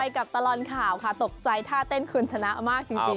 กับตลอดข่าวค่ะตกใจท่าเต้นคุณชนะมากจริง